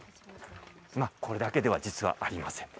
これだけではありません。